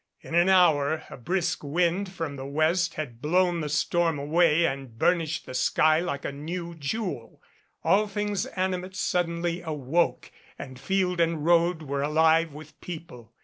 In an hour a brisk wind from the west had blown the storm away and burnished the sky like a new jewel. All things animate suddenly awoke and field and road were alive with people.